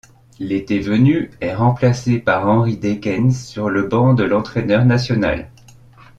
L'été venu, est remplacé par Henri Dekens sur le banc de l'entraîneur national.